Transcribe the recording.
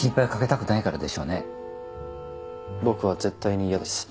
僕は絶対に嫌です。